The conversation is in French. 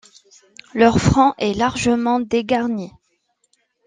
Leur front est largement dégarni.